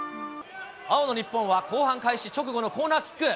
青の日本は後半開始直後のコーナーキック。